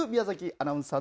アナウンサー。